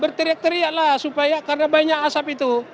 berteriak teriaklah supaya karena banyak asap itu